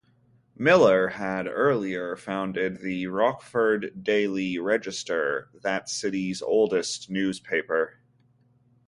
Miller had earlier founded the "Rockford Daily Register", that city's oldest newspaper.